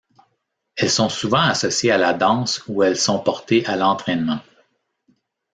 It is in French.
Elles sont souvent associées à la danse où elles sont portées à l'entrainement.